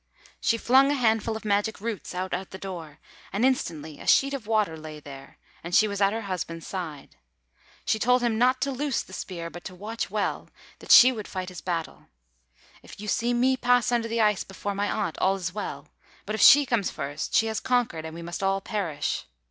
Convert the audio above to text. She flung a handful of magic roots out at the door, and instantly a sheet of water lay there, and she was at her husband's side. She told him not to loose the spear, but to watch well, that she would fight his battle. "If you see me pass under the ice before my aunt, all is well; but if she comes first, she has conquered, and we must all perish.